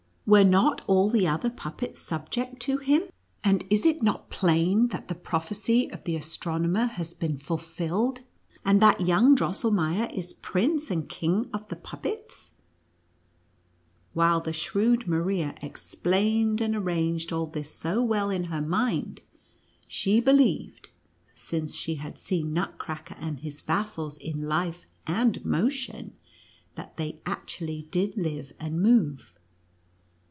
u Were not all the other puppets subject to him, and is it not plain that the prophecy of the astronomer has been fulfilled, and that young Drosselmeier is prince and khig of the puppets ?" While the shrewd Maria explained and arranged NUTCRACKER AND MOUSE KINC. 91 all this so well in her mind, she believed, since she had seen Nutcracker and his vassals in life and motion, that they actually did live and move.